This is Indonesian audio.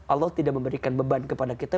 allah tidak memberikan beban kepada kita